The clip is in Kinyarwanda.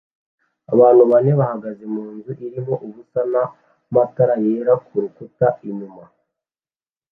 Abantu bane bahagaze munzu irimo ubusa nana matara yera kurukuta inyuma